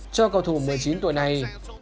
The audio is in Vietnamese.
cho cầu thủ một mươi chín tuổi này